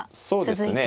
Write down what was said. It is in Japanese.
そうですね。